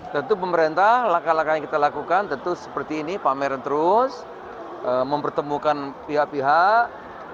tentu pemerintah langkah langkah yang kita lakukan tentu seperti ini pameran terus mempertemukan pihak pihak